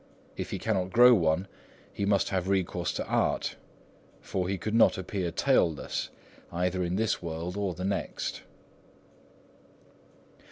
If he cannot grow one, he must have recourse to art, for he could not appear tailless, either in this world or the next.